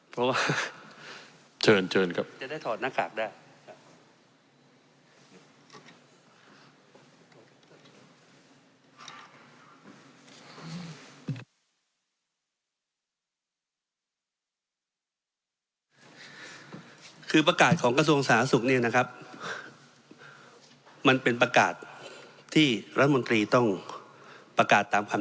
อ้อมนาจคือต้องเป็นคำแนะนำหรือมเราเป็นมติของคณะกรบการป่าวป่าวส